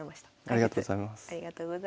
ありがとうございます。